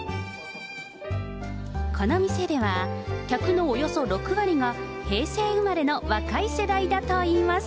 この店では、客のおよそ６割が平成生まれの若い世代だといいます。